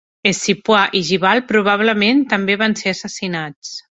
Scipuar i Gibal probablement també van ser assassinats.